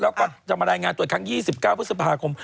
แล้วก็จะมารายงานตัวอีกครั้ง๒๙พฤษภาคม